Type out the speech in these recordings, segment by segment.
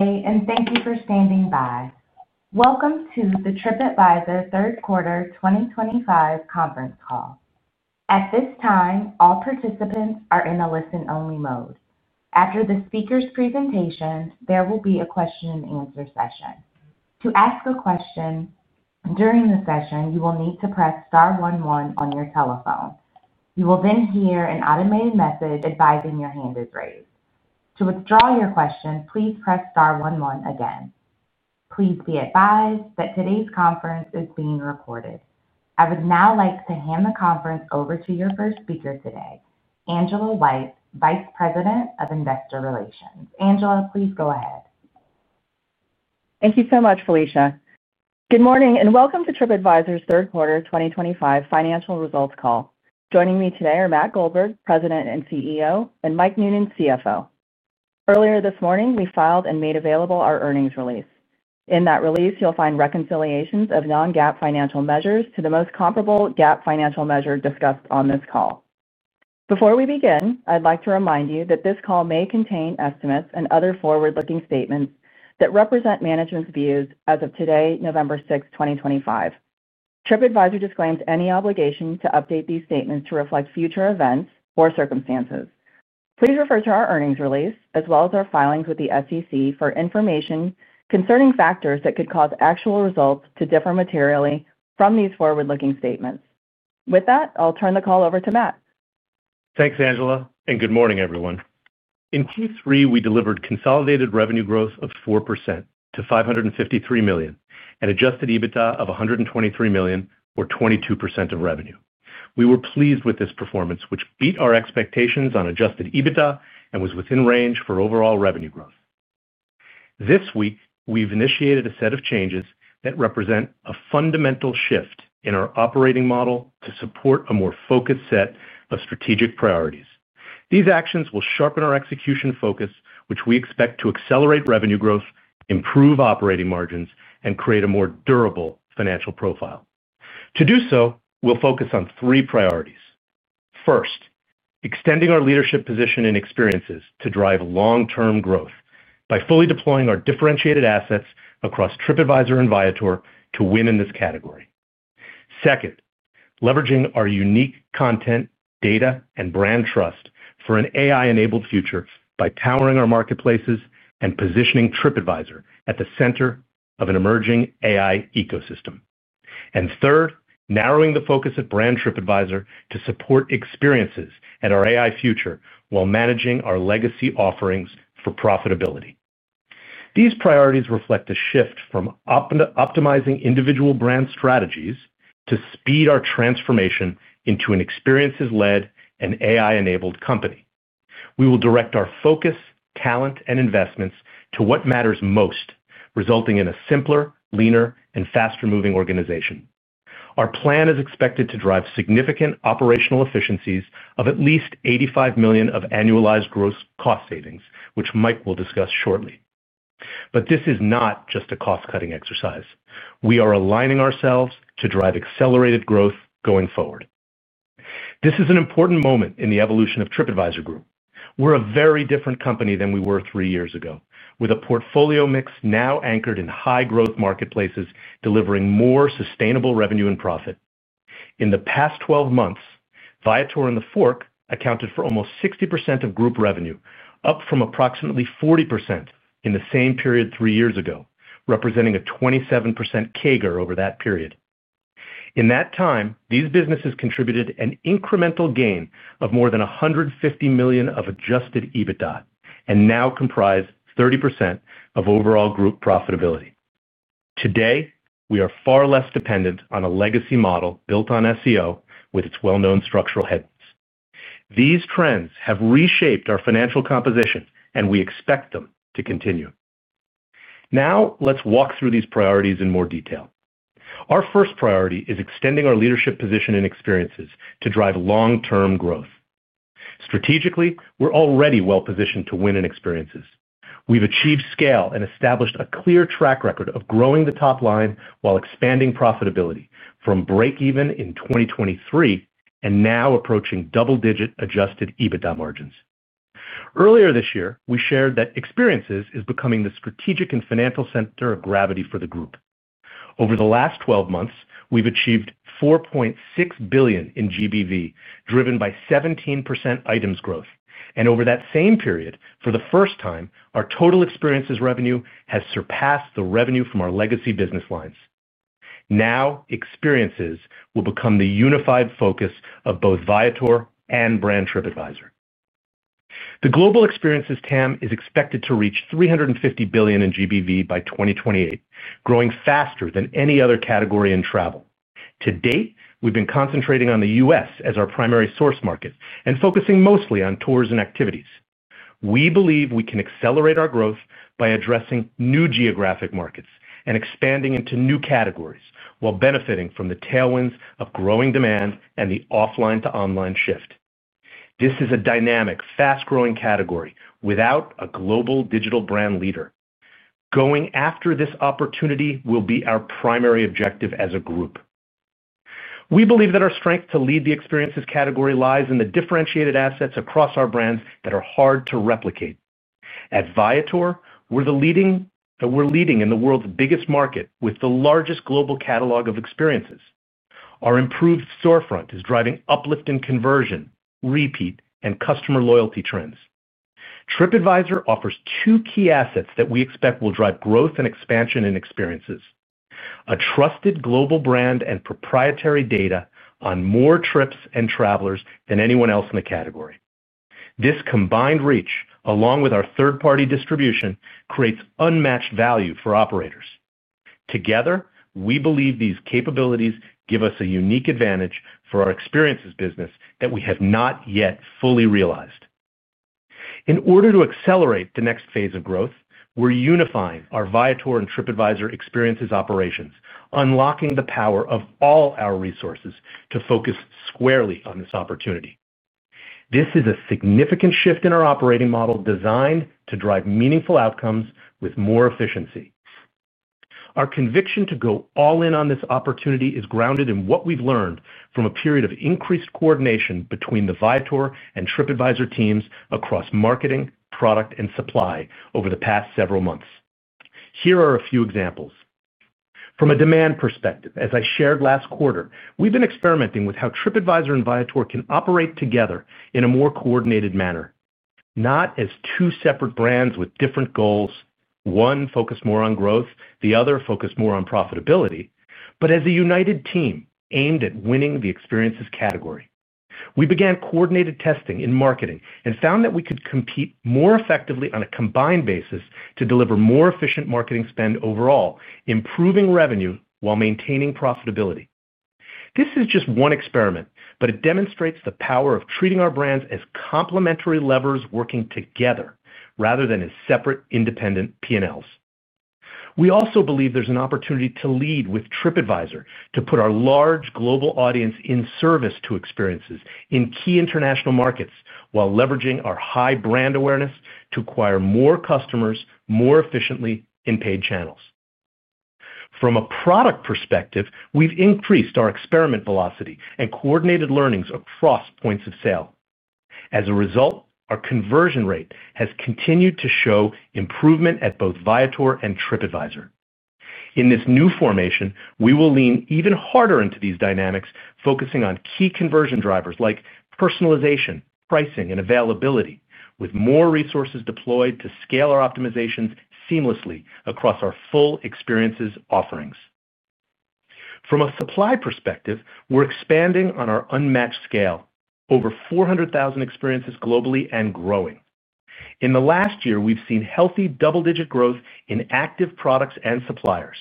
Thank you for standing by. Welcome to the Tripadvisor Third Quarter 2025 conference call. At this time, all participants are in a listen-only mode. After the speaker's presentation, there will be a question-and-answer session. To ask a question during the session, you will need to press star one one on your telephone. You will then hear an automated message advising your hand is raised. To withdraw your question, please press star one one again. Please be advised that today's conference is being recorded. I would now like to hand the conference over to your first speaker today, Angela White, Vice President of Investor Relations. Angela, please go ahead. Thank you so much, Felicia. Good morning and welcome to Tripadvisor's Third Quarter 2025 financial results call. Joining me today are Matt Goldberg, President and CEO, and Mike Noonan, CFO. Earlier this morning, we filed and made available our earnings release. In that release, you'll find reconciliations of Non-GAAP financial measures to the most comparable GAAP financial measure discussed on this call. Before we begin, I'd like to remind you that this call may contain estimates and other forward-looking statements that represent management's views as of today, November 6, 2025. Tripadvisor disclaims any obligation to update these statements to reflect future events or circumstances. Please refer to our earnings release as well as our filings with the SEC for information concerning factors that could cause actual results to differ materially from these forward-looking statements. With that, I'll turn the call over to Matt. Thanks, Angela, and good morning, everyone. In Q3, we delivered consolidated revenue growth of 4%-$553 million and Adjusted EBITDA of $123 million, or 22% of revenue. We were pleased with this performance, which beat our expectations on Adjusted EBITDA and was within range for overall revenue growth. This week, we've initiated a set of changes that represent a fundamental shift in our operating model to support a more focused set of strategic priorities. These actions will sharpen our execution focus, which we expect to accelerate revenue growth, improve operating margins, and create a more durable financial profile. To do so, we'll focus on three priorities. First, extending our leadership position in experiences to drive long-term growth by fully deploying our differentiated assets across Tripadvisor and Viator to win in this category. Second, leveraging our unique content, data, and brand trust for an AI-enabled future by powering our marketplaces and positioning Tripadvisor at the center of an emerging AI ecosystem. Third, narrowing the focus of brand Tripadvisor to support experiences and our AI future while managing our legacy offerings for profitability. These priorities reflect a shift from optimizing individual brand strategies to speed our transformation into an experiences-led and AI-enabled company. We will direct our focus, talent, and investments to what matters most, resulting in a simpler, leaner, and faster-moving organization. Our plan is expected to drive significant operational efficiencies of at least $85 million of annualized gross cost savings, which Mike will discuss shortly. This is not just a cost-cutting exercise. We are aligning ourselves to drive accelerated growth going forward. This is an important moment in the evolution of Tripadvisor Group. We're a very different company than we were three years ago, with a portfolio mix now anchored in high-growth marketplaces delivering more sustainable revenue and profit. In the past 12 months, Viator and TheFork accounted for almost 60% of group revenue, up from approximately 40% in the same period three years ago, representing a 27% CAGR over that period. In that time, these businesses contributed an incremental gain of more than $150 million of Adjusted EBITDA and now comprise 30% of overall group profitability. Today, we are far less dependent on a legacy model built on SEO with its well-known structural headwinds. These trends have reshaped our financial composition, and we expect them to continue. Now, let's walk through these priorities in more detail. Our first priority is extending our leadership position in experiences to drive long-term growth. Strategically, we're already well-positioned to win in experiences. We've achieved scale and established a clear track record of growing the top line while expanding profitability from Break-even in 2023 and now approaching Double-digit Adjusted EBITDA margins. Earlier this year, we shared that experiences are becoming the strategic and financial center of gravity for the group. Over the last 12 months, we've achieved $4.6 billion in GBV, driven by 17% items growth. Over that same period, for the first time, our total experiences revenue has surpassed the revenue from our legacy business lines. Now, experiences will become the unified focus of both Viator and brand Tripadvisor. The global experiences TAM is expected to reach $350 billion in GBV by 2028, growing faster than any other category in travel. To date, we've been concentrating on the US as our primary source market and focusing mostly on tours and activities. We believe we can accelerate our growth by addressing new geographic markets and expanding into new categories while benefiting from the tailwinds of growing demand and the Offline-to-online shift. This is a dynamic, fast-growing category without a global digital brand leader. Going after this opportunity will be our primary objective as a group. We believe that our strength to lead the Experiences category lies in the differentiated assets across our brands that are hard to replicate. At Viator, we're leading in the world's biggest market with the largest global catalog of experiences. Our improved storefront is driving uplift in conversion, repeat, and customer loyalty trends. Tripadvisor offers two key assets that we expect will drive growth and expansion in experiences: a trusted global brand and proprietary data on more trips and travelers than anyone else in the category. This combined reach, along with our Third-party distribution, creates unmatched value for operators. Together, we believe these capabilities give us a unique advantage for our experiences business that we have not yet fully realized. In order to accelerate the next phase of growth, we're unifying our Viator and Tripadvisor experiences operations, unlocking the power of all our resources to focus squarely on this opportunity. This is a significant shift in our operating model designed to drive meaningful outcomes with more efficiency. Our conviction to go all in on this opportunity is grounded in what we've learned from a period of increased coordination between the Viator and Tripadvisor teams across marketing, product, and supply over the past several months. Here are a few examples. From a demand perspective, as I shared last quarter, we've been experimenting with how Tripadvisor and Viator can operate together in a more coordinated manner, not as two separate brands with different goals, one focused more on growth, the other focused more on profitability, but as a united team aimed at winning the experiences category. We began coordinated testing in marketing and found that we could compete more effectively on a combined basis to deliver more efficient marketing spend overall, improving revenue while maintaining profitability. This is just one experiment, but it demonstrates the power of treating our brands as complementary levers working together rather than as separate independent P&Ls. We also believe there's an opportunity to lead with Tripadvisor to put our large global audience in service to experiences in key international markets while leveraging our high brand awareness to acquire more customers more efficiently in paid channels. From a product perspective, we've increased our experiment velocity and coordinated learnings across points of sale. As a result, our conversion rate has continued to show improvement at both Viator and Tripadvisor. In this new formation, we will lean even harder into these dynamics, focusing on key conversion drivers like personalization, pricing, and availability, with more resources deployed to scale our optimizations seamlessly across our full experiences offerings. From a supply perspective, we're expanding on our unmatched scale, over 400,000 experiences globally and growing. In the last year, we've seen healthy double-digit growth in active products and suppliers.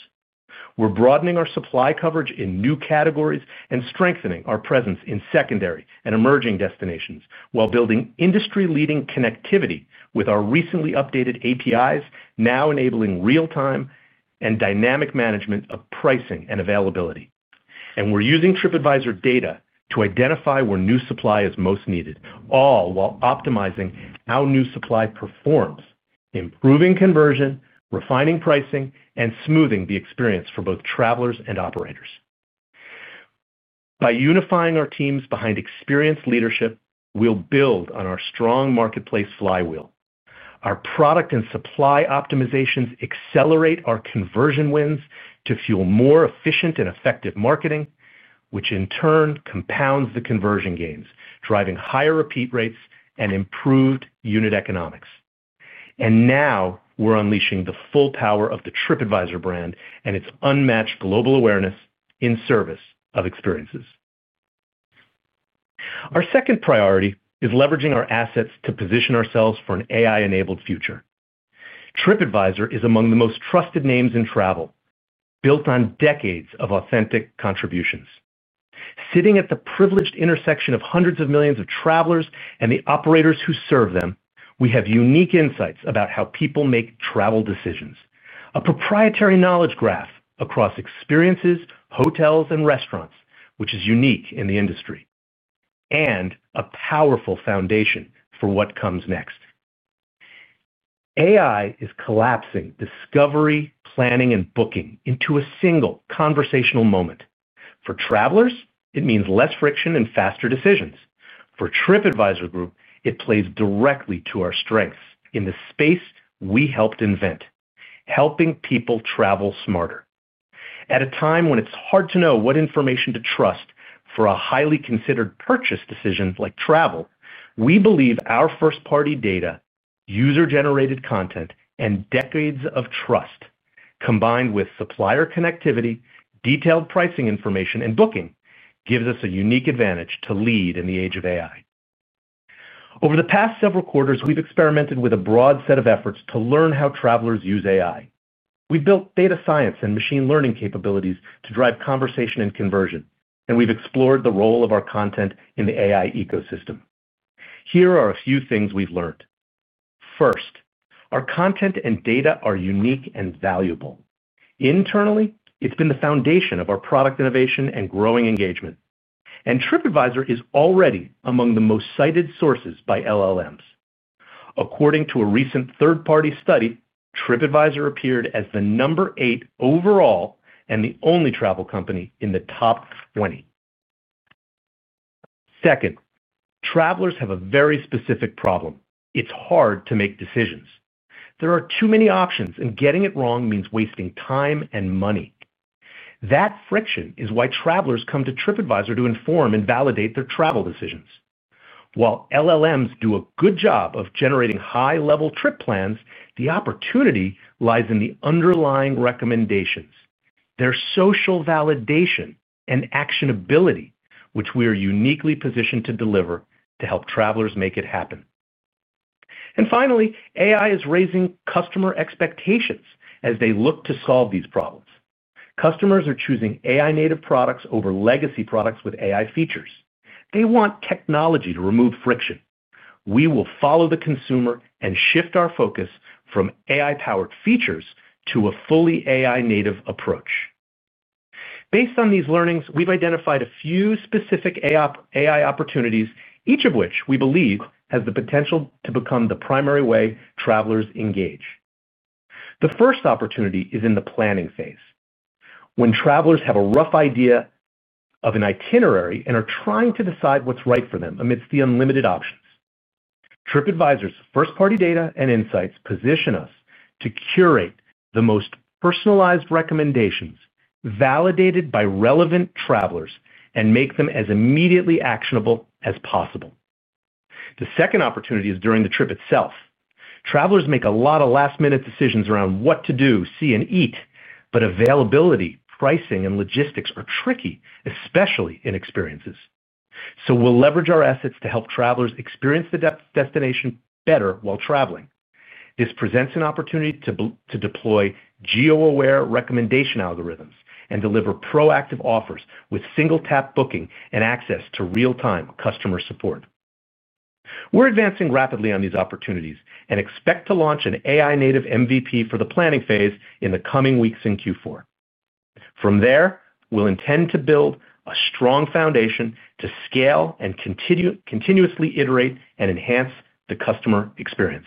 We're broadening our supply coverage in new categories and strengthening our presence in secondary and emerging destinations while building industry-leading connectivity with our recently updated APIs, now enabling real-time and dynamic management of pricing and availability. We are using Tripadvisor data to identify where new supply is most needed, all while optimizing how new supply performs, improving conversion, refining pricing, and smoothing the experience for both travelers and operators. By unifying our teams behind experienced leadership, we will build on our strong marketplace flywheel. Our product and supply optimizations accelerate our conversion wins to fuel more efficient and effective marketing, which in turn compounds the conversion gains, driving higher repeat rates and improved unit economics. Now, we are unleashing the full power of the Tripadvisor brand and its unmatched global awareness in service of experiences. Our second priority is leveraging our assets to position ourselves for an AI-enabled future. Tripadvisor is among the most trusted names in travel, built on decades of authentic contributions. Sitting at the privileged intersection of hundreds of millions of travelers and the operators who serve them, we have unique insights about how people make travel decisions, a proprietary knowledge graph across experiences, hotels, and restaurants, which is unique in the industry. It is a powerful foundation for what comes next. AI is collapsing discovery, planning, and booking into a single conversational moment. For travelers, it means less friction and faster decisions. For Tripadvisor Group, it plays directly to our strengths in the space we helped invent, helping people travel smarter. At a time when it is hard to know what information to trust for a highly considered purchase decision like travel, we believe our first-party data, user-generated content, and decades of trust, combined with supplier connectivity, detailed pricing information, and booking, gives us a unique advantage to lead in the age of AI. Over the past several quarters, we've experimented with a broad set of efforts to learn how travelers use AI. We've built data science and machine learning capabilities to drive conversation and conversion, and we've explored the role of our content in the AI ecosystem. Here are a few things we've learned. First, our content and data are unique and valuable. Internally, it's been the foundation of our product innovation and growing engagement. Tripadvisor is already among the most cited sources by LLMs. According to a recent third-party study, Tripadvisor appeared as the number eight overall and the only travel company in the top 20. Second, travelers have a very specific problem. It's hard to make decisions. There are too many options, and getting it wrong means wasting time and money. That friction is why travelers come to Tripadvisor to inform and validate their travel decisions. While LLMs do a good job of generating high-level trip plans, the opportunity lies in the underlying recommendations, their social validation, and actionability, which we are uniquely positioned to deliver to help travelers make it happen. Finally, AI is raising customer expectations as they look to solve these problems. Customers are choosing AI-native products over legacy products with AI features. They want technology to remove friction. We will follow the consumer and shift our focus from AI-powered features to a fully AI-native approach. Based on these learnings, we've identified a few specific AI opportunities, each of which we believe has the potential to become the primary way travelers engage. The first opportunity is in the planning phase, when travelers have a rough idea of an itinerary and are trying to decide what's right for them amidst the unlimited options. Tripadvisor's first-party data and insights position us to curate the most personalized recommendations validated by relevant travelers and make them as immediately actionable as possible. The second opportunity is during the trip itself. Travelers make a lot of last-minute decisions around what to do, see, and eat, but availability, pricing, and logistics are tricky, especially in experiences. We'll leverage our assets to help travelers experience the destination better while traveling. This presents an opportunity to deploy geo-aware recommendation algorithms and deliver proactive offers with single-tap booking and access to real-time customer support. We're advancing rapidly on these opportunities and expect to launch an AI-native MVP for the planning phase in the coming weeks in Q4. From there, we'll intend to build a strong foundation to scale and continuously iterate and enhance the customer experience.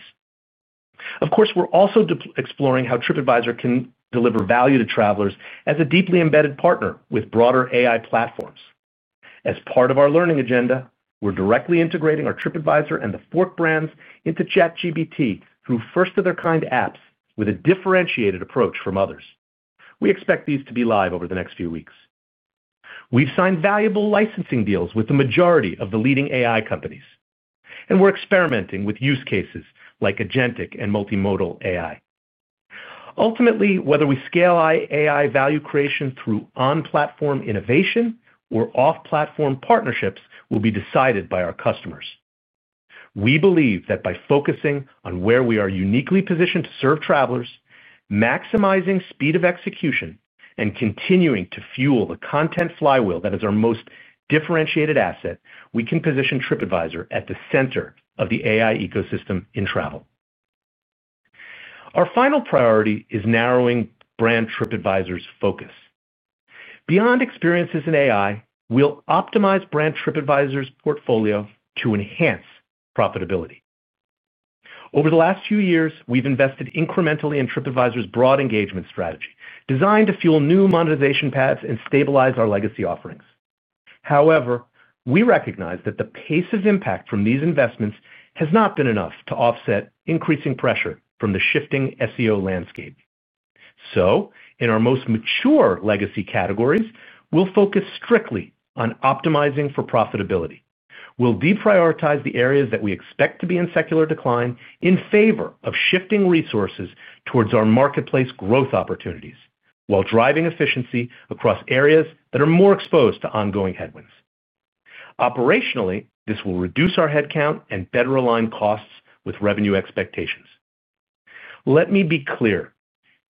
Of course, we're also exploring how Tripadvisor can deliver value to travelers as a deeply embedded partner with broader AI platforms. As part of our learning agenda, we're directly integrating our Tripadvisor and TheFork brands into ChatGPT, with first of their kind apps with a differentiated approach from others. We expect these to be live over the next few weeks. We've signed valuable licensing deals with the majority of the leading AI companies, and we're experimenting with use cases like agentic and multimodal AI. Ultimately, whether we scale AI value creation through on-platform innovation or off-platform partnerships will be decided by our customers. We believe that by focusing on where we are uniquely positioned to serve travelers, maximizing speed of execution, and continuing to fuel the content flywheel that is our most differentiated asset, we can position Tripadvisor at the center of the AI ecosystem in travel. Our final priority is narrowing brand Tripadvisor's focus. Beyond experiences in AI, we'll optimize brand Tripadvisor's portfolio to enhance profitability. Over the last few years, we've invested incrementally in Tripadvisor's broad engagement strategy, designed to fuel new monetization paths and stabilize our legacy offerings. However, we recognize that the pace of impact from these investments has not been enough to offset increasing pressure from the shifting SEO landscape. In our most mature legacy categories, we'll focus strictly on optimizing for profitability. We'll deprioritize the areas that we expect to be in secular decline in favor of shifting resources towards our marketplace growth opportunities while driving efficiency across areas that are more exposed to ongoing headwinds. Operationally, this will reduce our headcount and better align costs with revenue expectations. Let me be clear.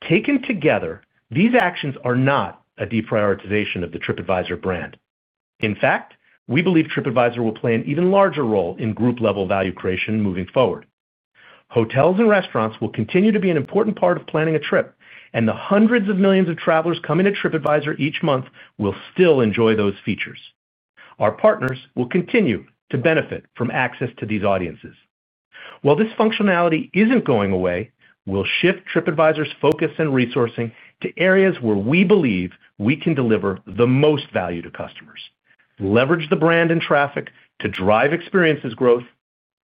Taken together, these actions are not a deprioritization of the Tripadvisor brand. In fact, we believe Tripadvisor will play an even larger role in group-level value creation moving forward. Hotels and restaurants will continue to be an important part of planning a trip, and the hundreds of millions of travelers coming to Tripadvisor each month will still enjoy those features. Our partners will continue to benefit from access to these audiences. While this functionality isn't going away, we'll shift Tripadvisor's focus and resourcing to areas where we believe we can deliver the most value to customers, leverage the brand and traffic to drive experiences growth,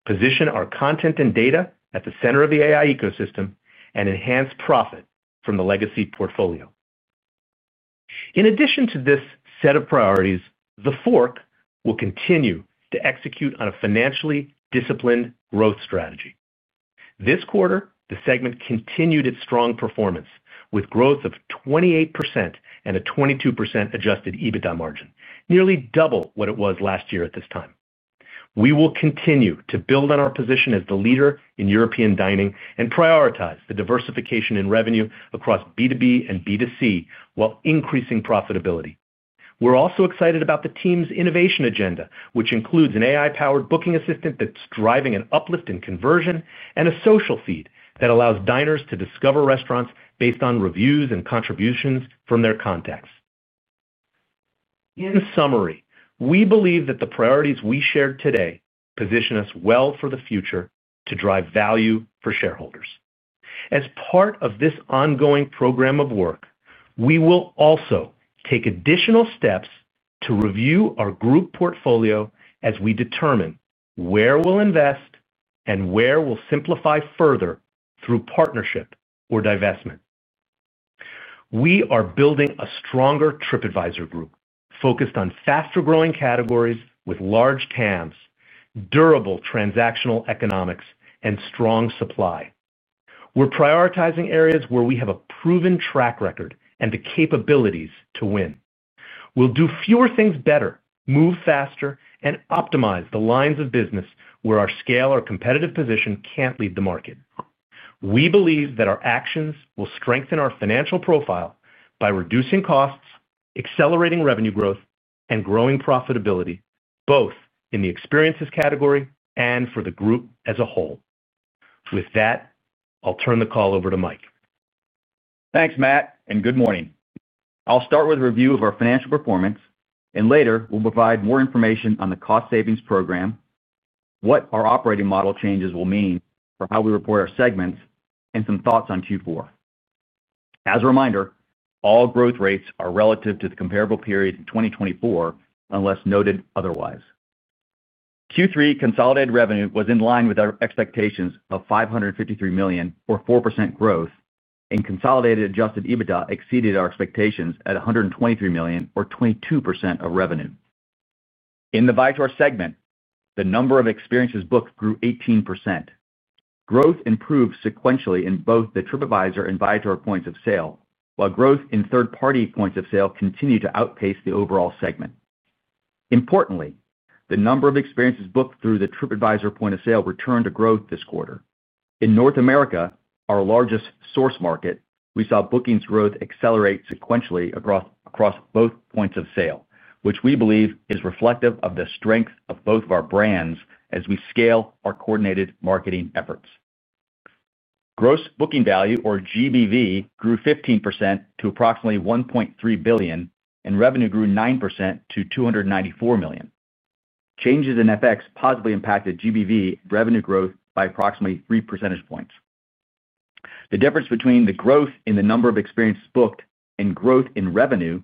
position our content and data at the center of the AI ecosystem, and enhance profit from the legacy portfolio. In addition to this set of priorities, TheFork will continue to execute on a financially disciplined growth strategy. This quarter, the segment continued its strong performance with growth of 28% and a 22% Adjusted EBITDA margin, nearly double what it was last year at this time. We will continue to build on our position as the leader in European dining and prioritize the diversification in revenue across B2B and B2C while increasing profitability. We're also excited about the team's innovation agenda, which includes an AI-powered booking assistant that's driving an uplift in conversion and a social feed that allows diners to discover restaurants based on reviews and contributions from their contacts. In summary, we believe that the priorities we shared today position us well for the future to drive value for shareholders. As part of this ongoing program of work, we will also take additional steps to review our group portfolio as we determine where we'll invest and where we'll simplify further through partnership or divestment. We are building a stronger Tripadvisor Group focused on faster-growing categories with large TAMs, durable transactional economics, and strong supply. We're prioritizing areas where we have a proven track record and the capabilities to win. We'll do fewer things better, move faster, and optimize the lines of business where our scale or competitive position can't lead the market. We believe that our actions will strengthen our financial profile by reducing costs, accelerating revenue growth, and growing profitability, both in the experiences category and for the group as a whole. With that, I'll turn the call over to Mike. Thanks, Matt, and good morning. I'll start with a review of our financial performance, and later, we'll provide more information on the cost savings program. What our operating model changes will mean for how we report our segments, and some thoughts on Q4. As a reminder, all growth rates are relative to the comparable period in 2024 unless noted otherwise. Q3 consolidated revenue was in line with our expectations of $553 million, or 4% growth, and consolidated Adjusted EBITDA exceeded our expectations at $123 million, or 22% of revenue. In the Viator segment, the number of experiences booked grew 18%. Growth improved sequentially in both the Tripadvisor and Viator points of sale, while growth in third-party points of sale continued to outpace the overall segment. Importantly, the number of experiences booked through the Tripadvisor point of sale returned to growth this quarter. In North America, our largest source market, we saw bookings growth accelerate sequentially across both points of sale, which we believe is reflective of the strength of both of our brands as we scale our coordinated marketing efforts. Gross booking value, or GBV, grew 15% to approximately $1.3 billion, and revenue grew 9% to $294 million. Changes in FX positively impacted GBV revenue growth by approximately 3 percentage points. The difference between the growth in the number of experiences booked and growth in revenue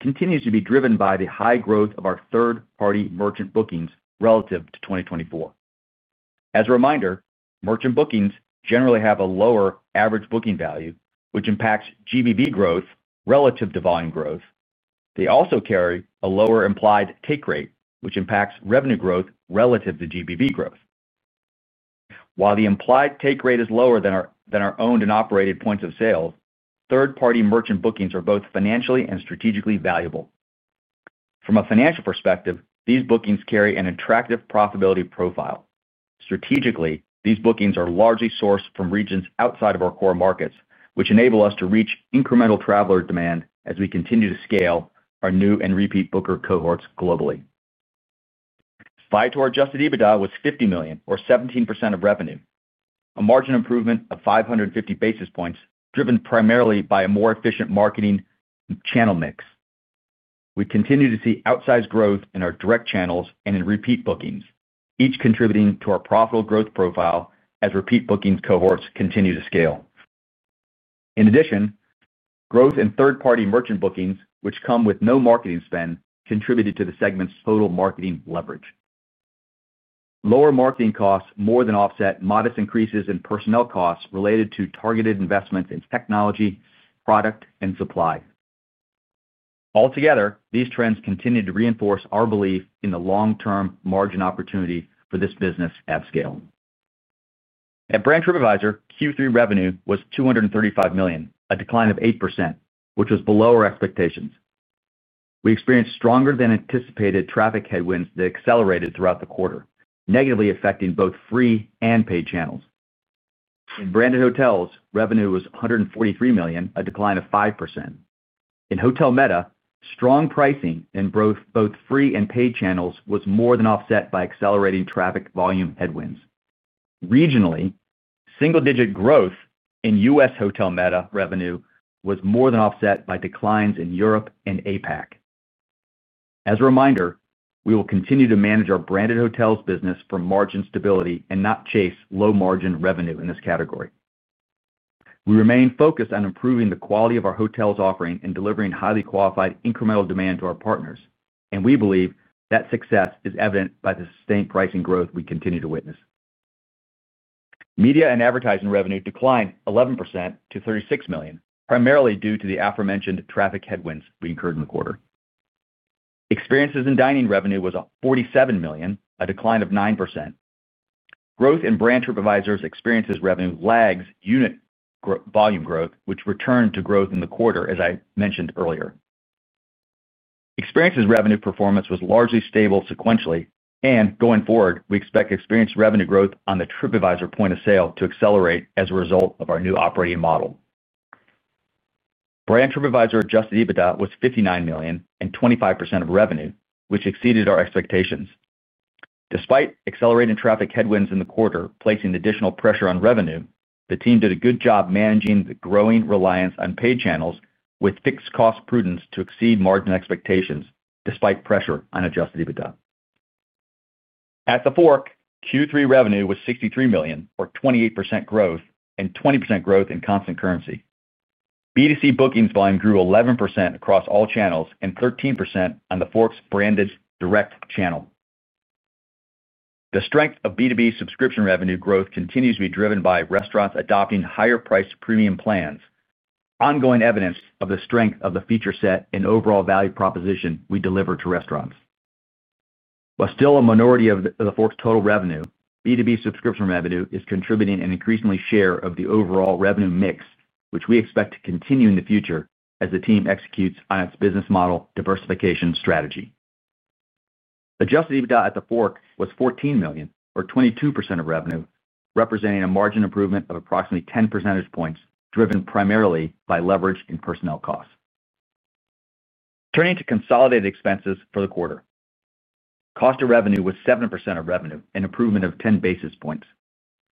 continues to be driven by the high growth of our third-party merchant bookings relative to 2024. As a reminder, merchant bookings generally have a lower average booking value, which impacts GBV growth relative to volume growth. They also carry a lower implied take rate, which impacts revenue growth relative to GBV growth. While the implied take rate is lower than our owned and operated points of sale, third-party merchant bookings are both financially and strategically valuable. From a financial perspective, these bookings carry an attractive profitability profile. Strategically, these bookings are largely sourced from regions outside of our core markets, which enable us to reach incremental traveler demand as we continue to scale our new and repeat booker cohorts globally. Viator Adjusted EBITDA was $50 million, or 17% of revenue, a margin improvement of 550 basis points driven primarily by a more efficient marketing channel mix. We continue to see outsized growth in our direct channels and in repeat bookings, each contributing to our profitable growth profile as repeat bookings cohorts continue to scale. In addition, growth in third-party merchant bookings, which come with no marketing spend, contributed to the segment's total marketing leverage. Lower marketing costs more than offset modest increases in personnel costs related to targeted investments in technology, product, and supply. Altogether, these trends continue to reinforce our belief in the long-term margin opportunity for this business at scale. At Brand Tripadvisor, Q3 revenue was $235 million, a decline of 8%, which was below our expectations. We experienced stronger-than-anticipated traffic headwinds that accelerated throughout the quarter, negatively affecting both free and paid channels. In branded hotels, revenue was $143 million, a decline of 5%. In Hotel Meta, strong pricing and both free and paid channels was more than offset by accelerating traffic volume headwinds. Regionally, single-digit growth in US Hotel Meta revenue was more than offset by declines in Europe and APAC. As a reminder, we will continue to manage our branded hotels business for margin stability and not chase low-margin revenue in this category. We remain focused on improving the quality of our hotels' offering and delivering highly qualified incremental demand to our partners, and we believe that success is evident by the sustained pricing growth we continue to witness. Media and advertising revenue declined 11% to $36 million, primarily due to the aforementioned traffic headwinds we incurred in the quarter. Experiences and dining revenue was $47 million, a decline of 9%. Growth in Brand Tripadvisor's experiences revenue lags unit volume growth, which returned to growth in the quarter, as I mentioned earlier. Experiences revenue performance was largely stable sequentially, and going forward, we expect experiences revenue growth on the Tripadvisor point of sale to accelerate as a result of our new operating model. Brand Tripadvisor Adjusted EBITDA was $59 million and 25% of revenue, which exceeded our expectations. Despite accelerating traffic headwinds in the quarter placing additional pressure on revenue, the team did a good job managing the growing reliance on paid channels with fixed cost prudence to exceed margin expectations despite pressure on Adjusted EBITDA. At TheFork, Q3 revenue was $63 million, or 28% growth and 20% growth in constant currency. B2C bookings volume grew 11% across all channels and 13% on TheFork's branded direct channel. The strength of B2B subscription revenue growth continues to be driven by restaurants adopting higher-priced premium plans, ongoing evidence of the strength of the feature set and overall value proposition we deliver to restaurants. While still a minority of TheFork's total revenue, B2B subscription revenue is contributing an increasing share of the overall revenue mix, which we expect to continue in the future as the team executes on its business model diversification strategy. Adjusted EBITDA at TheFork was $14 million, or 22% of revenue, representing a margin improvement of approximately 10 percentage points driven primarily by leverage and personnel costs. Turning to consolidated expenses for the quarter. Cost of revenue was 7% of revenue, an improvement of 10 basis points.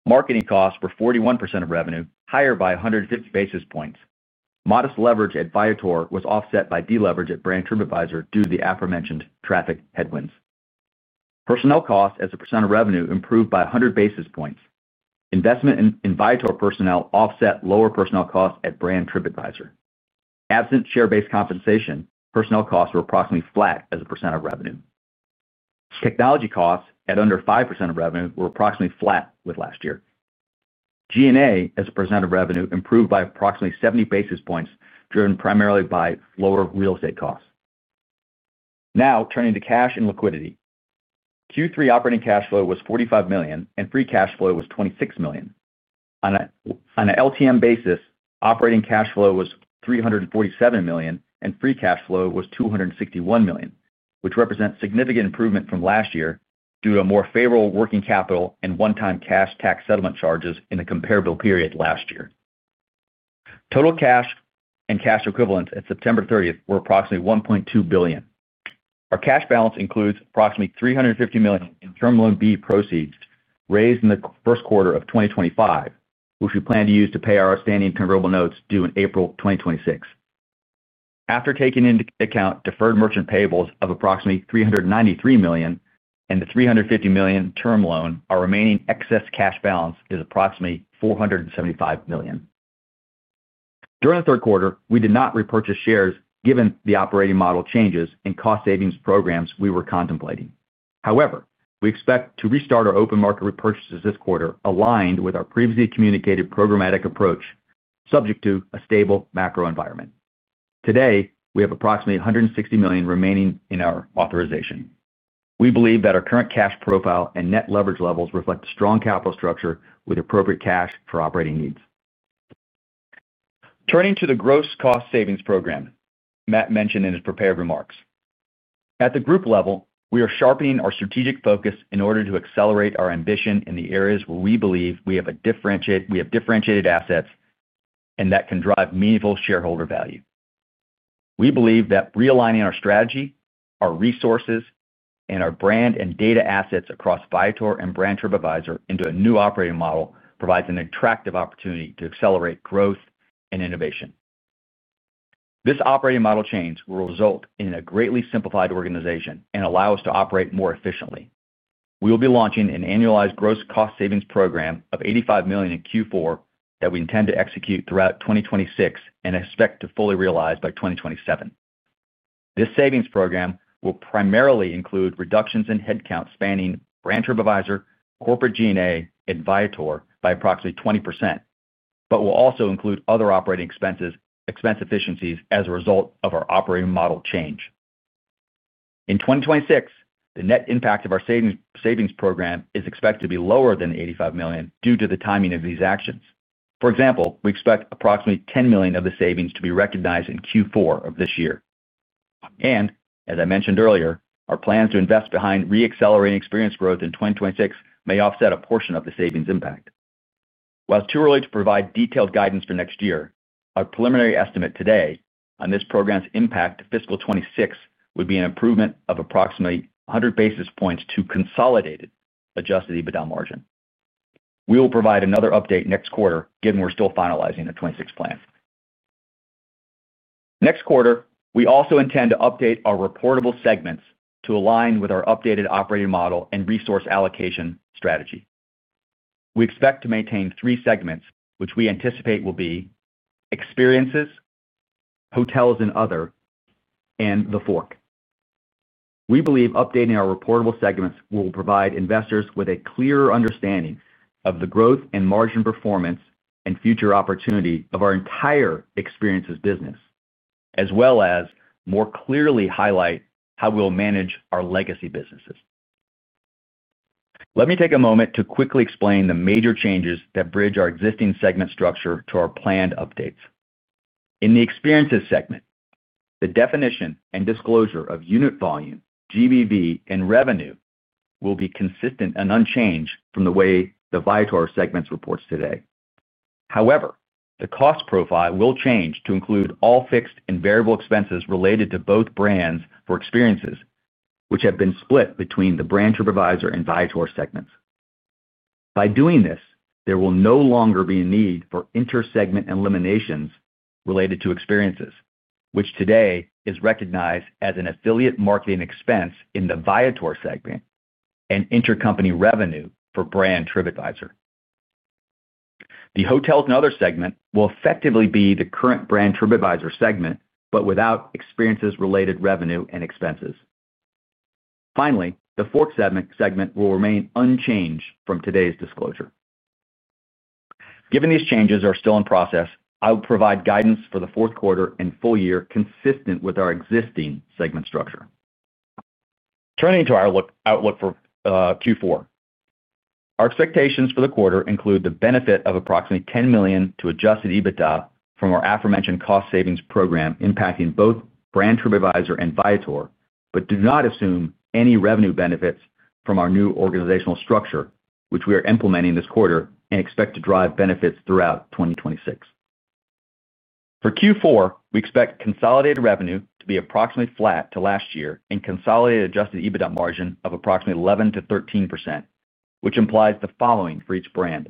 Marketing costs were 41% of revenue, higher by 150 basis points. Modest leverage at Viator was offset by deleverage at Brand Tripadvisor due to the aforementioned traffic headwinds. Personnel costs as a percent of revenue improved by 100 basis points. Investment in Viator personnel offset lower personnel costs at Brand Tripadvisor. Absent share-based compensation, personnel costs were approximately flat as a percent of revenue. Technology costs at under 5% of revenue were approximately flat with last year. G&A as a percent of revenue improved by approximately 70 basis points driven primarily by lower real estate costs. Now, turning to cash and liquidity. Q3 operating cash flow was $45 million, and free cash flow was $26 million. On an LTM basis, operating cash flow was $347 million, and free cash flow was $261 million, which represents significant improvement from last year due to a more favorable working capital and one-time cash tax settlement charges in the comparable period last year. Total cash and cash equivalents at September 30th were approximately $1.2 billion. Our cash balance includes approximately $350 million in Term Loan B proceeds raised in the first quarter of 2025, which we plan to use to pay our outstanding convertible notes due in April 2026. After taking into account deferred merchant payables of approximately $393 million and the $350 million term loan, our remaining excess cash balance is approximately $475 million. During the third quarter, we did not repurchase shares given the operating model changes and cost savings programs we were contemplating. However, we expect to restart our open market repurchases this quarter aligned with our previously communicated programmatic approach, subject to a stable macro environment. Today, we have approximately $160 million remaining in our authorization. We believe that our current cash profile and net leverage levels reflect a strong capital structure with appropriate cash for operating needs. Turning to the gross cost savings program Matt mentioned in his prepared remarks. At the group level, we are sharpening our strategic focus in order to accelerate our ambition in the areas where we believe we have differentiated assets and that can drive meaningful shareholder value. We believe that realigning our strategy, our resources, and our brand and data assets across Viator and Brand Tripadvisor into a new operating model provides an attractive opportunity to accelerate growth and innovation. This operating model change will result in a greatly simplified organization and allow us to operate more efficiently. We will be launching an annualized gross cost savings program of $85 million in Q4 that we intend to execute throughout 2026 and expect to fully realize by 2027. This savings program will primarily include reductions in headcount spanning Brand Tripadvisor, corporate G&A, and Viator by approximately 20%, but will also include other operating expense efficiencies as a result of our operating model change. In 2026, the net impact of our savings program is expected to be lower than $85 million due to the timing of these actions. For example, we expect approximately $10 million of the savings to be recognized in Q4 of this year. As I mentioned earlier, our plans to invest behind re-accelerating experience growth in 2026 may offset a portion of the savings impact. While it's too early to provide detailed guidance for next year, our preliminary estimate today on this program's impact for fiscal 2026 would be an improvement of approximately 100 basis points to consolidated Adjusted EBITDA margin. We will provide another update next quarter, given we're still finalizing the 2026 plan. Next quarter, we also intend to update our reportable segments to align with our updated operating model and resource allocation strategy. We expect to maintain three segments, which we anticipate will be experiences, hotels and other, and TheFork. We believe updating our reportable segments will provide investors with a clearer understanding of the growth and margin performance and future opportunity of our entire experiences business, as well as more clearly highlight how we'll manage our legacy businesses. Let me take a moment to quickly explain the major changes that bridge our existing segment structure to our planned updates. In the experiences segment, the definition and disclosure of unit volume, GBV, and revenue will be consistent and unchanged from the way the Viator segment reports today. However, the cost profile will change to include all fixed and variable expenses related to both brands for experiences, which have been split between the Brand Tripadvisor and Viator segments. By doing this, there will no longer be a need for inter-segment eliminations related to experiences, which today is recognized as an affiliate marketing expense in the Viator segment and intercompany revenue for Brand Tripadvisor. The hotels and other segment will effectively be the current Brand Tripadvisor segment, but without experiences-related revenue and expenses. Finally, the TheFork segment will remain unchanged from today's disclosure. Given these changes are still in process, I will provide guidance for the fourth quarter and full year consistent with our existing segment structure. Turning to our outlook for Q4. Our expectations for the quarter include the benefit of approximately $10 million to Adjusted EBITDA from our aforementioned cost savings program impacting both Brand Tripadvisor and Viator, but do not assume any revenue benefits from our new organizational structure, which we are implementing this quarter and expect to drive benefits throughout 2026. For Q4, we expect consolidated revenue to be approximately flat to last year and consolidated Adjusted EBITDA margin of approximately 11%-13%, which implies the following for each brand.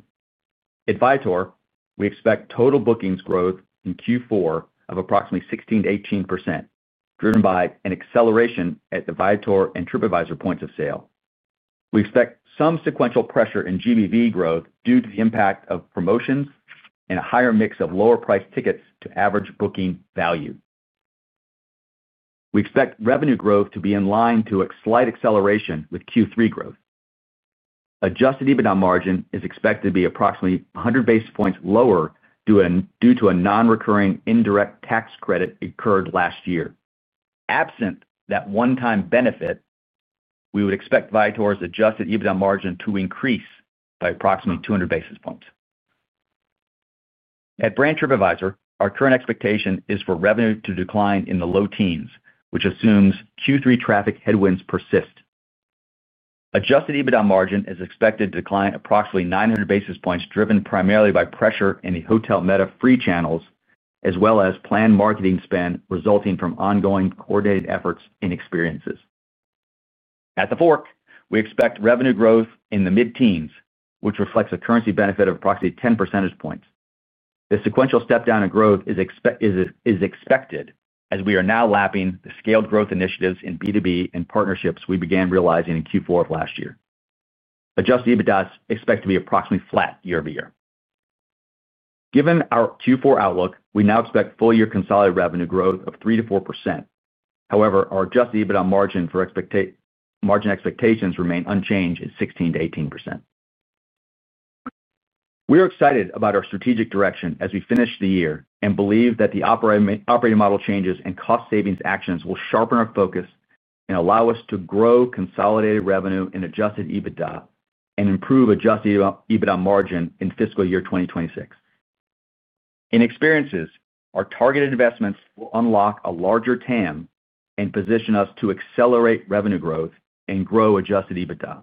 At Viator, we expect total bookings growth in Q4 of approximately 16%-18%, driven by an acceleration at the Viator and Tripadvisor points of sale. We expect some sequential pressure in GBV growth due to the impact of promotions and a higher mix of lower-priced tickets to average booking value. We expect revenue growth to be in line to a slight acceleration with Q3 growth. Adjusted EBITDA margin is expected to be approximately 100 basis points lower due to a non-recurring indirect tax credit incurred last year. Absent that one-time benefit, we would expect Viator's Adjusted EBITDA margin to increase by approximately 200 basis points. At Brand Tripadvisor, our current expectation is for revenue to decline in the low teens, which assumes Q3 traffic headwinds persist. Adjusted EBITDA margin is expected to decline approximately 900 basis points, driven primarily by pressure in the Hotel Meta free channels, as well as planned marketing spend resulting from ongoing coordinated efforts in experiences. At TheFork, we expect revenue growth in the mid-teens, which reflects a currency benefit of approximately 10 percentage points. The sequential step-down in growth is. Expected as we are now lapping the scaled growth initiatives in B2B and partnerships we began realizing in Q4 of last year. Adjusted EBITDA is expected to be approximately flat year-over-year. Given our Q4 outlook, we now expect full-year consolidated revenue growth of 3%-4%. However, our Adjusted EBITDA margin expectations remain unchanged at 16%-18%. We are excited about our strategic direction as we finish the year and believe that the operating model changes and cost savings actions will sharpen our focus and allow us to grow consolidated revenue in Adjusted EBITDA and improve Adjusted EBITDA margin in fiscal year 2026. In experiences, our targeted investments will unlock a larger TAM and position us to accelerate revenue growth and grow Adjusted EBITDA.